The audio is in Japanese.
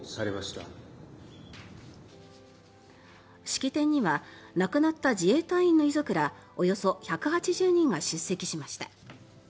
式典には亡くなった自衛隊員の遺族らおよそ１８０人が出席しました。